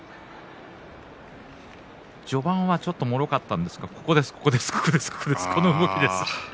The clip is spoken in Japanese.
序盤は、ちょっともろかったんですがここですね、この動きです。